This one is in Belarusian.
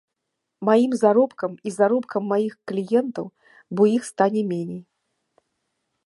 Маім заробкам і заробкам маіх кліентаў, бо іх стане меней.